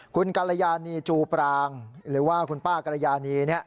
คุณกรยานีจูปรางหรือว่าคุณป้ากรยานี